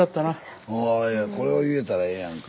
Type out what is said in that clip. これを言えたらええやんか。